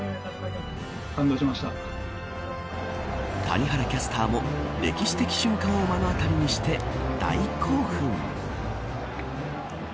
谷原キャスターも歴史的瞬間を目の当たりにして大興奮。